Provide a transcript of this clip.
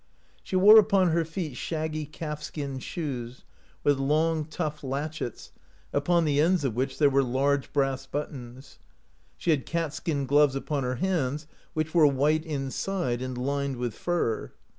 She wore upon her feet shaggy calf skin shoes, with long, tough latchets, upon the ends of which there were large brass buttons. She had cat skin gloves upon her hands, which were white inside and lined with fur.